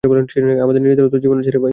আমাদের নিজেদেরও তো জীবন আছে।